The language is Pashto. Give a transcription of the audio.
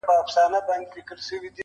o ښكلي دا ستا په يو نظر كي جــادو.